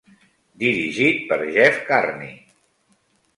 Dirigit per Jeff Carney.